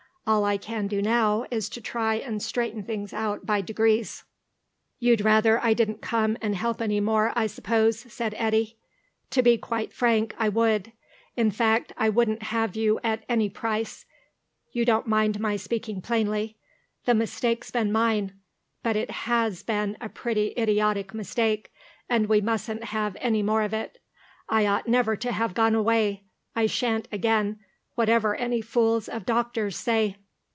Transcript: All I can do now is to try and straighten things out by degrees." "You'd rather I didn't come and help any more, I suppose," said Eddy. "To be quite frank, I would. In fact, I wouldn't have you at any price. You don't mind my speaking plainly? The mistake's been mine; but it has been a pretty idiotic mistake, and we mustn't have any more of it.... I ought never to have gone away. I shan't again, whatever any fools of doctors say."